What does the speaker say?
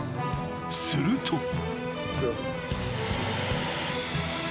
［すると］